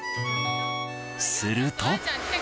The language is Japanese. すると。